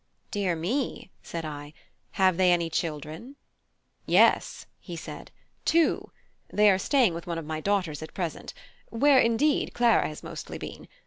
"Dear me," said I. "Have they any children?" "Yes," said he, "two; they are staying with one of my daughters at present, where, indeed, Clara has mostly been.